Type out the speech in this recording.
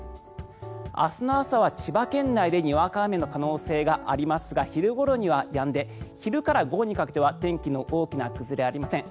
明日の朝は千葉県内でにわか雨の可能性がありますが昼ごろにはやんで昼から午後にかけては天気の大きな崩れはありません。